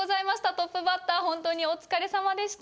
トップバッター本当にお疲れさまでした。